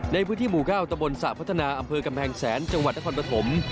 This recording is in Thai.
ในพื้นที่หมู่๙ตะบนสระพัฒนาอำเภอกำแพงแสนจังหวัดนครปฐม